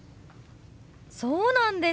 そうなんですか！